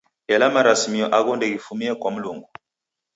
Ela marisimio agho ndeghifumie kwa Mlungu.